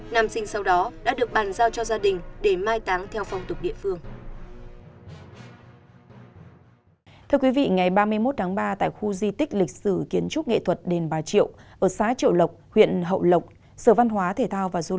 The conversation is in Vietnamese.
nam sinh sau đó đã được bàn giao cho gia đình để mai táng theo phong tục địa phương